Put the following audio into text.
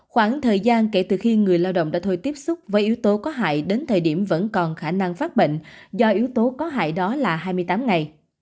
khoảng thời gian kể từ khi người lao động đã thôi tiếp xúc với yếu tố có hại đến thời điểm vẫn còn khả năng phát bệnh do yếu tố có hại đó là hai mươi tám ngày